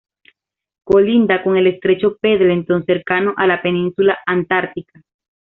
Colinda con el estrecho Pendleton, cercano a la península Antártica.